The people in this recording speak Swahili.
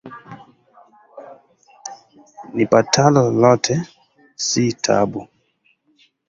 Nipatalo lolote si taabu